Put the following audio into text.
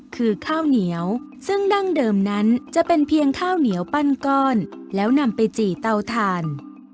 คือข้าวเหนียวซึ่งดั้งเดิมนั้นจะเป็นเพียงข้าวเหนียวปั้นก้อนแล้วนำไปจี่เตาถ่าน